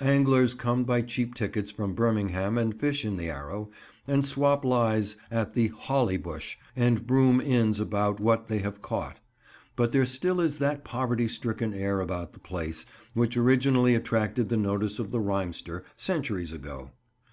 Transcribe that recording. Anglers come by cheap tickets from Birmingham and fish in the Arrow, and swap lies at the "Hollybush" and "Broom" inns about what they have caught, but there still is that poverty stricken air about the place which originally attracted the notice of the rhymester, centuries ago.